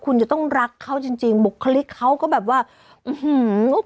คุณจะต้องรักเขาจริงจริงบุคลิกเขาก็แบบว่าอื้อหือ